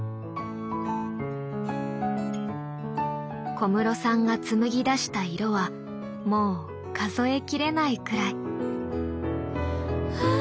小室さんが紡ぎだした色はもう数えきれないくらい。